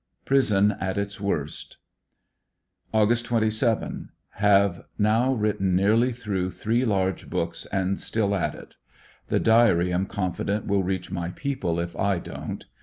Prison at its worst. Aug. 27. — Have now written nearly through three large books, and still at it. The diary am confident will reach my people if I don't.